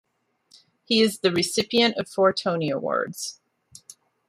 He is the recipient of four Tony Awards.